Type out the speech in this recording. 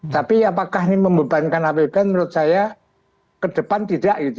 tapi apakah ini membebankan apbn menurut saya ke depan tidak gitu